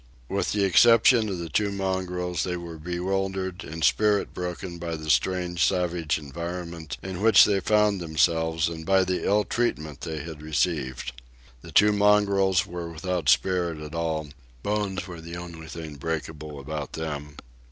With the exception of the two mongrels, they were bewildered and spirit broken by the strange savage environment in which they found themselves and by the ill treatment they had received. The two mongrels were without spirit at all; bones were the only things breakable about them.